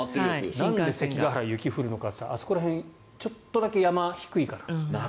なんで関ケ原雪が降るのかというとあそこら辺、ちょっとだけ山が低いからなんです。